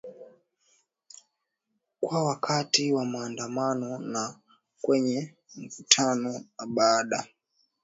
kwa wakati wa maandamano na kwenye mkutano na baada